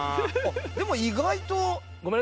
でも意外と。